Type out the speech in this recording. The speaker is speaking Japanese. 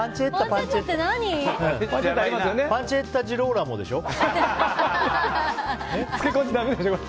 パンツェッタ・ジローラモでしょ。